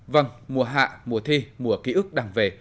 vâng mùa hạ mùa thi mùa ký ức đang về